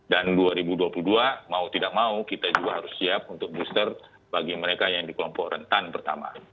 dan dua ribu dua puluh dua mau tidak mau kita juga harus siap untuk booster bagi mereka yang di kelompok rentan pertama